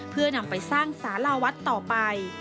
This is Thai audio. เพื่อนำไปสร้างสาราวัดต่อไป